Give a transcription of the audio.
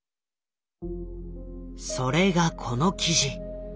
それがこの記事。